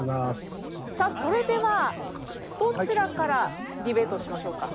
さあそれではどちらからディベートをしましょうか？